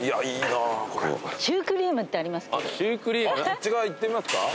シュークリームってありますよ。